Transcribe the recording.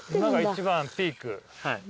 今が一番ピーク。